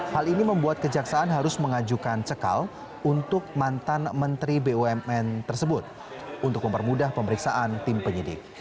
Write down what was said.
hal ini membuat kejaksaan harus mengajukan cekal untuk mantan menteri bumn tersebut untuk mempermudah pemeriksaan tim penyidik